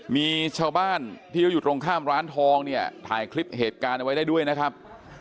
มีชาวบ้านที่เขาอยู่ตรงข้ามร้านทองเนี่ยถ่ายคลิปเหตุการณ์เอาไว้ได้ด้วยนะครับ